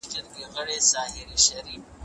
هغې له یوه فضايي انجنیر سره انلاین اړیکه ونیوله.